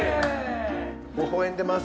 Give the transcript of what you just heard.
ほほ笑んでます。